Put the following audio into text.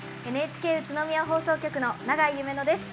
ＮＨＫ宇都宮放送局の長井ゆめのです。